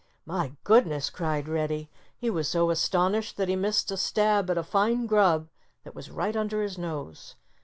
"My goodness!" cried Reddy. He was so astonished that he missed a stab at a fine grub that was right under his nose.